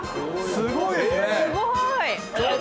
すごい！